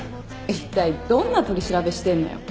一体どんな取り調べしてんのよ。